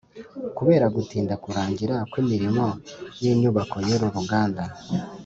Kubera gutinda kurangira kw imirimo y inyubako y uru ruganda